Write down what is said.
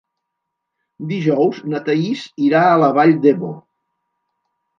Dijous na Thaís irà a la Vall d'Ebo.